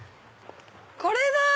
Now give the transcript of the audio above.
これだ！